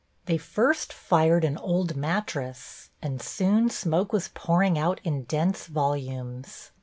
They first fired an old mattress, and soon smoke was pouring out in dense volumes.